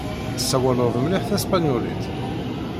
Tessawaleḍ mliḥ taspenyulit.